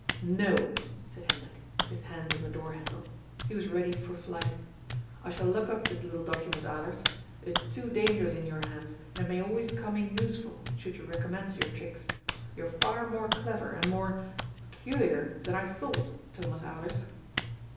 ^' No," said Hendrik, his hand on the door handle. He was ready for flight. ^' I shall lock up this little document, Alers. It is too dangerous in your hands, and it may al* ways come in useful, should you recommence your tricks. You are far more clever and more— peculiar than I thought, Thomas Alers."